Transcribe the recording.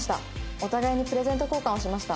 「お互いにプレゼント交換をしました」。